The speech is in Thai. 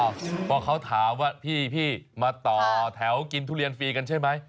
เพราะเขาถามว่าพี่มาต่อแถวกินทุเรียนฟรีกันใช่ไหม